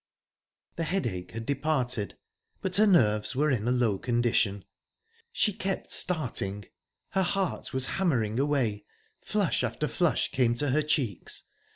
The headache had departed, but her nerves were in a low condition. She kept starting; her heart was hammering away; flush after flush came to her cheeks.